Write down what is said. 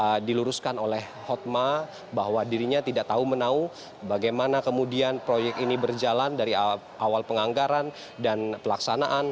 yang diluruskan oleh hotma bahwa dirinya tidak tahu menau bagaimana kemudian proyek ini berjalan dari awal penganggaran dan pelaksanaan